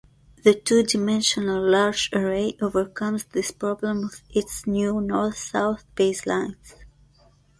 The two-dimensional Large Array overcomes this problem with its new north-south baselines.